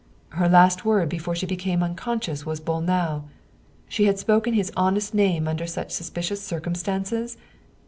" Her last word before she became unconscious was Bolnaul She had spoken his honest name under such suspicious cir cumstances?"